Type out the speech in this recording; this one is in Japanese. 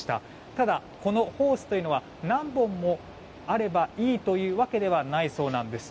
ただ、このホースというのは何本もあればいいというわけではないそうなんです。